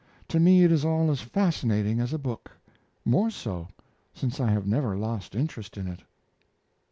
To me it is all as fascinating as a book more so, since I have never lost interest in it.